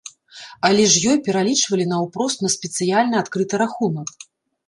Але ж ёй пералічвалі наўпрост на спецыяльна адкрыты рахунак.